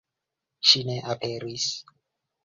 Ŝi ne aperis.